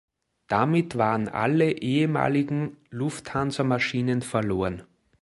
Damit waren alle ehemaligen Lufthansa-Maschinen verloren.